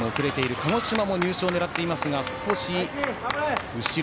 鹿児島も優勝を狙っていますが少し、後ろ。